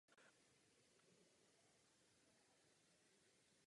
Vyhrál mnoho závodů na Slovensku i v Čechách.